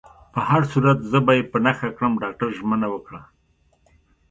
په هر صورت، زه به يې په نښه کړم. ډاکټر ژمنه وکړه.